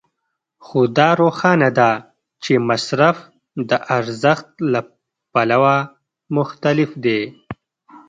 خو دا روښانه ده چې مصرف د ارزښت له پلوه مختلف دی